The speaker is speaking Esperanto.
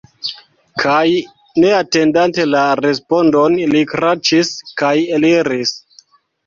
Kaj, ne atendante la respondon, li kraĉis kaj eliris.